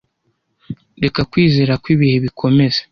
reka kwizera kw'ibihe bikomeze